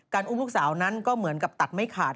อุ้มลูกสาวนั้นก็เหมือนกับตัดไม่ขาด